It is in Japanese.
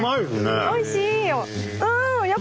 おいしいよ。